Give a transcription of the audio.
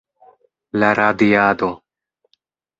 La radiado.